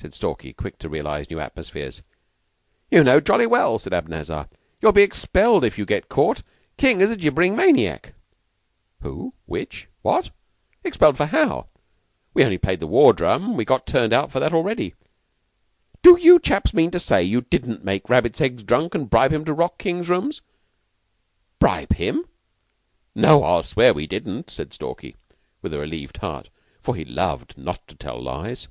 said Stalky, quick to realize new atmospheres. "You know jolly well," said Abanazar. "You'll be expelled if you get caught. King is a gibbering maniac." "Who? Which? What? Expelled for how? We only played the war drum. We've got turned out for that already." "Do you chaps mean to say you didn't make Rabbits Eggs drunk and bribe him to rock King's rooms?" "Bribe him? No, that I'll swear we didn't," said Stalky, with a relieved heart, for he loved not to tell lies.